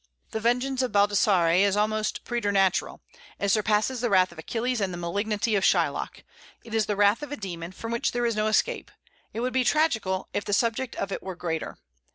The vengeance of Baldassare is almost preternatural; it surpasses the wrath of Achilles and the malignity of Shylock. It is the wrath of a demon, from which there is no escape; it would be tragical if the subject of it were greater.